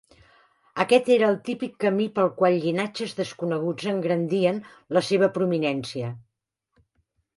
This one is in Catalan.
Aquest era el típic camí pel qual llinatges desconeguts engrandien la seva prominència.